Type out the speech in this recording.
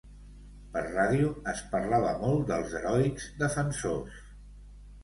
Per ràdio es parlava molt dels «heroics defensors»